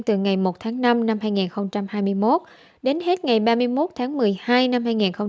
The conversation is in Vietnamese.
từ ngày một tháng năm năm hai nghìn hai mươi một đến hết ngày ba mươi một tháng một mươi hai năm hai nghìn hai mươi ba